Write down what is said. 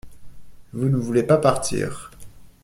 Vous ne voulez pas partir.